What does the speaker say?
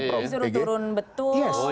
disuruh turun betul